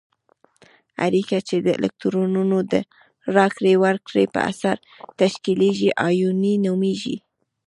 اړیکه چې د الکترونونو د راکړې ورکړې په اثر تشکیلیږي آیوني نومیږي.